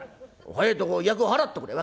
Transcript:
早いとこ厄払っとくれ」。